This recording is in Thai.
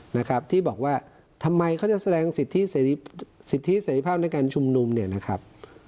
นะครับที่บอกว่าทำไมเขาจะแสดงสิทธิสิทธิเสร็จภาพในการชุมนุมเนี่ยนะครับ